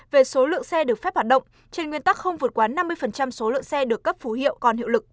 về số lượng xe được phép hoạt động trên nguyên tắc không vượt quá năm mươi số lượng xe được cấp phù hiệu còn hiệu lực